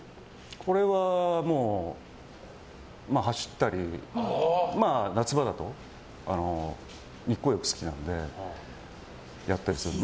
これはもう走ったり夏場だと、日光浴好きなのでやったりするので。